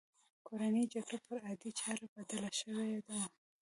کورنۍ جګړه پر عادي چاره بدله شوې وه